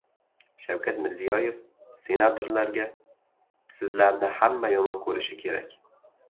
Shavkat Mirziyoyev senatorlarga: «Sizlarni hamma yomon ko‘rishi kerak»